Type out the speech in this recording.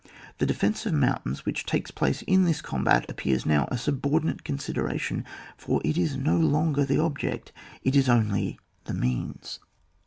The defence of moimtains which takes place in this combat, appears now a subordinate consideration, for it is no longer the object, it is only the means.